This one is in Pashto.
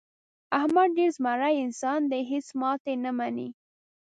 احمد ډېر زمری انسان دی. هېڅ ماتې نه مني.